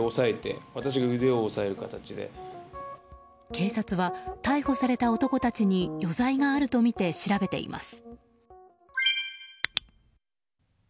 警察は逮捕された男たちに余罪があるとみて調べています。